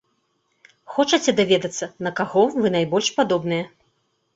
Хочаце даведацца, на каго вы найбольш падобныя?